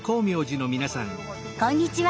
こんにちは。